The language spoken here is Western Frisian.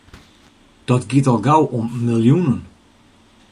Dat giet al gau om miljoenen.